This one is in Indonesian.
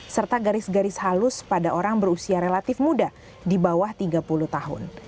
serta garis garis halus pada orang berusia relatif muda di bawah tiga puluh tahun